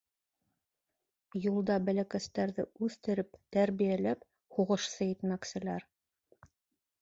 Юлда бәләкәстәрҙе үҫтереп, тәрбиәләп һуғышсы итмәкселәр.